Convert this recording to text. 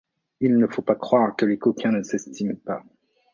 Il ne faut pas croire que les coquins ne s’estiment pas.